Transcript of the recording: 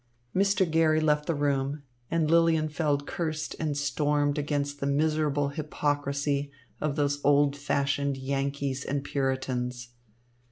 Mr. Garry left the room, and Lilienfeld cursed and stormed against the miserable hypocrisy of those old fashioned Yankees and Puritans.